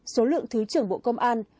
số lượng thứ trưởng bộ công an